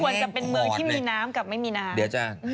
จะเป็นเมืองที่มีน้ำกับไม่มีน้ำ